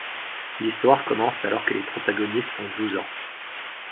L'histoire commence alors que les protagonistes ont douze ans.